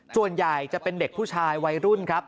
ส่วนใหญ่จะเป็นเด็กผู้ชายวัยรุ่นครับ